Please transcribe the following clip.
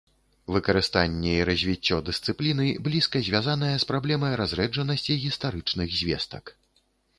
Выкарыстанне і развіццё дысцыпліны блізка звязанае з праблемай разрэджанасці гістарычных звестак.